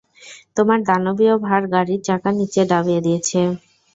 তোমার দানবীয় ভার গাড়ির চাকা নিচে ঢাবিয়ে দিয়েছে।